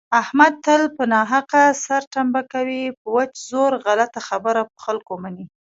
احمد تل په ناحقه سرتنبه کوي په وچ زور غلطه خبره په خلکو مني.